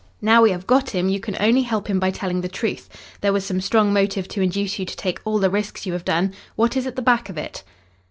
Now we have got him you can only help him by telling the truth. There was some strong motive to induce you to take all the risks you have done. What is at the back of it?"